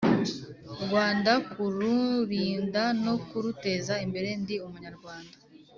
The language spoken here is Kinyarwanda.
Rwanda kururinda no kuruteza imbere Ndi umunyarwanda